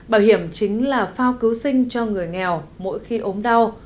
bảo hiểm chính là phao cứu sinh cho người nghèo mỗi khi ốm đau